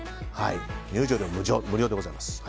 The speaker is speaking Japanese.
入場料無料でございます。